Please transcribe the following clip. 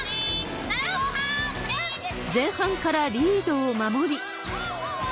前半からリードを守り。